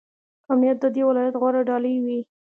امنیت د دې ولایت غوره ډالۍ وي.